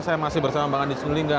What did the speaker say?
saya masih bersama bang andi sulingga